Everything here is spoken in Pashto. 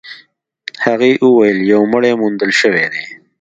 هغې وويل يو مړی موندل شوی دی.